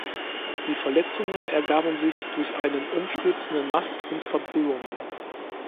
Die Verletzungen ergaben sich durch einen umstürzenden Mast und Verbrühungen.